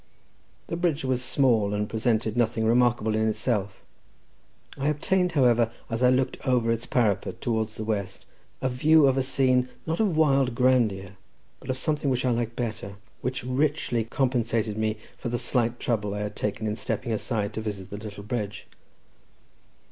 The bridge was small, and presented nothing remarkable in itself: I obtained, however, as I looked over its parapet towards the west, a view of a scene, not of wild grandeur, but of something which I like better, which richly compensated me for the slight trouble I had taken in stepping aside to visit the little bridge.